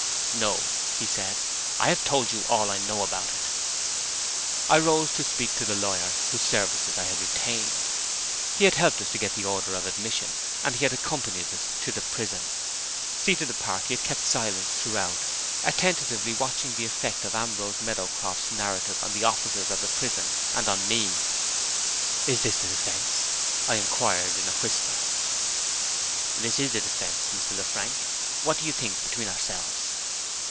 "No," he said. "I have told you all I know about it." I rose to speak to the lawyer whose services I had retained. He had helped us to get the order of admission, and he had accompanied us to the prison. Seated apart he had kept silence throughout, attentively watching the effect of Ambrose Meadowcroft's narrative on the officers of the prison and on me. "Is this the defense?" I inquired, in a whisper. "This is the defense, Mr. Lefrank. What do you think, between ourselves?"